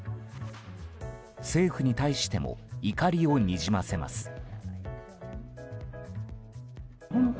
政府に対しても怒りをにじませます。